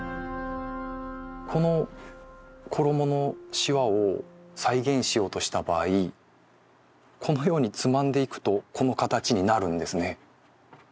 この衣のシワを再現しようとした場合このようにつまんでいくとこの形になるんですね。